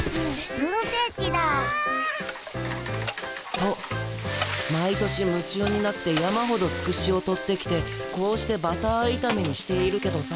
と毎年夢中になって山ほどつくしをとってきてこうしてバターいためにしているけどさ。